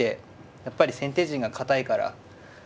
やっぱり先手陣が堅いから。